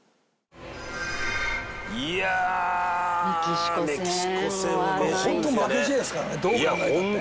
「いやメキシコ戦」「ホント負け試合ですからねどう考えたって」